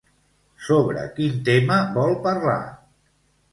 Sobre quin tema vol parlar?